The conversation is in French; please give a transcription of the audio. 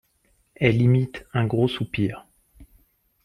Elle imite un gros soupir.